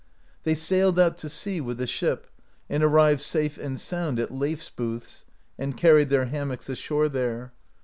They sailed out to sea with the ship, and arrived safe and sound at Leifs booths, and carried their hammocks ashore there.